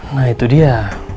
nah itu dia